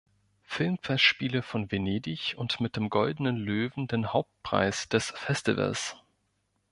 Filmfestspiele von Venedig und mit dem Goldenen Löwen den Hauptpreis des Festivals.